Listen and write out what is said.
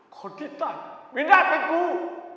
คนที่ตัดไม่น่าเป็นกู